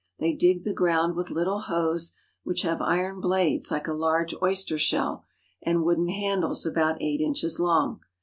They dig the ground with little hoes, which have iron blades like a large oyster shell and wooden handles about eight inches long.